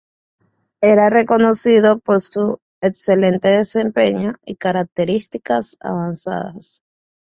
Era reconocido por su excelente desempeño y características avanzadas.